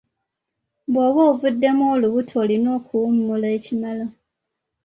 Bw'oba ovuddemu olubuto olina okuwummula ekimala.